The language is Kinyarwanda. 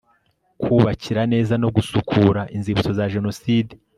kubakira neza no gusukura inzibutso za jenoside